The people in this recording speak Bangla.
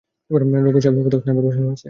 রঘু সাহেব, কোথাও স্নাইপার বসানো আছে।